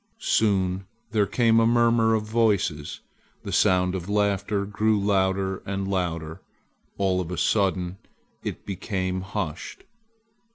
Soon there came a murmur of voices. The sound of laughter grew louder and louder. All of a sudden it became hushed.